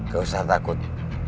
gak usah takut